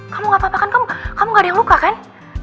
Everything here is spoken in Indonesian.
kamu gak apa apa kan kamu gak ada yang luka kan